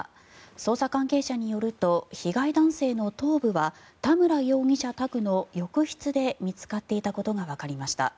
捜査関係者によると被害男性の頭部は田村容疑者宅の浴室で見つかっていたことがわかりました。